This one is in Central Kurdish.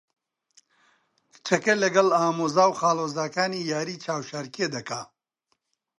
کچەکە لەگەڵ ئامۆزا و خاڵۆزاکانی یاریی چاوشارکێ دەکا.